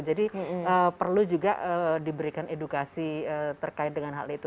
jadi perlu juga diberikan edukasi terkait dengan hal itu